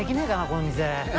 この店。